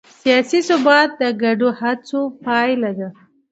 سیاسي ثبات د ګډو هڅو پایله ده